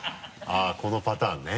あぁこのパターンね。